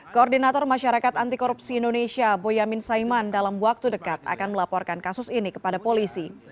koordinator masyarakat antikorupsi indonesia boyamin saiman dalam waktu dekat akan melaporkan kasus ini kepada polisi